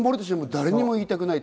誰にも言いたくない。